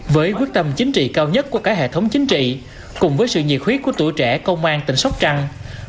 với quyết tâm chính trị cao nhất của cả hệ thống chính trị cùng với sự nhiệt khuyết của tuổi trẻ công an tỉnh sóc trăng